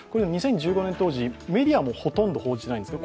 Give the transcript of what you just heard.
２０１５年当時、メディアもほとんど報じていないんですか？